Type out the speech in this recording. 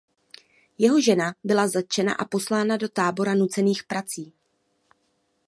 Jeho žena byla zatčena a poslána do tábora nucených prací.